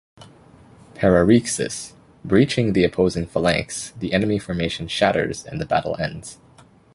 "Pararrhexis": "Breaching" the opposing phalanx, the enemy formation shatters and the battle ends.